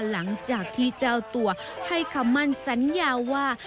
หลังจากที่เจ้าตัวให้คำมั่นสัญญาว่า